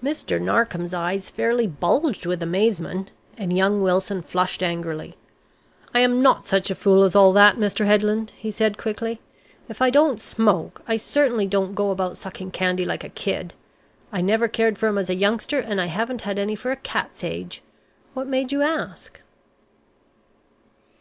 Mr. Narkom's eyes fairly bulged with amazement, and young Wilson flushed angrily. "I am not such a fool as all that, Mr. Headland," he said quickly. "If I don't smoke, I certainly don't go about sucking candy like a Kid. I never cared for 'em as a youngster, and I haven't had any for a cat's age. What made you ask?"